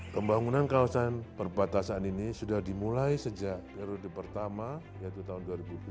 pembangunan kawasan perbatasan ini sudah dimulai sejak periode pertama yaitu tahun dua ribu dua puluh